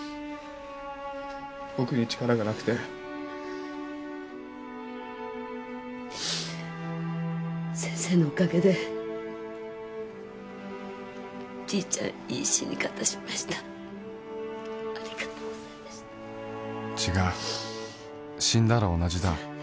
僕に力がなくて先生のおかげでじいちゃんいい死に方しましたありがとうございました違う死んだら同じだ